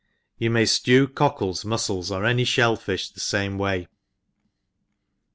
You may Aew cockles^ mufcles, or any f^ell fifh the fame way.